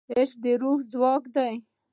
عشق د روح ځواک دی.